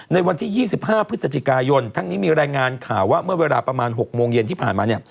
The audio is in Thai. ในวันที่๒๕พฤศจิกายนทั้งนี้มีรายงานข่าวว่าเมื่อเวลาประมาณ๖โมงเย็นที่ผ่านมา